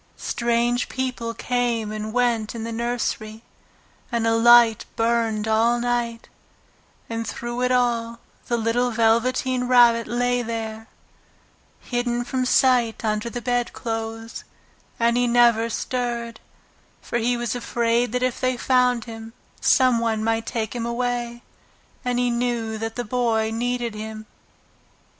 Strange people came and went in the nursery, and a light burned all night and through it all the little Velveteen Rabbit lay there, hidden from sight under the bedclothes, and he never stirred, for he was afraid that if they found him some one might take him away, and he knew that the Boy needed him.